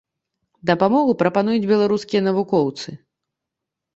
Дапамогу прапануюць беларускія навукоўцы.